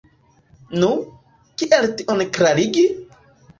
Nu, kiel tion klarigi?